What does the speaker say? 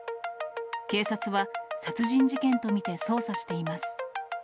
警察は殺人事件と見て捜査しています。